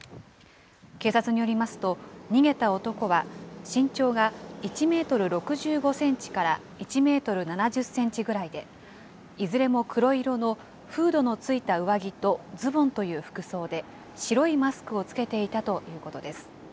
警察によりますと、逃げた男は身長が１メートル６５センチから１メートル７０センチぐらいで、いずれも黒色のフードのついた上着とズボンという服装で、白いマスクを着けていたということです。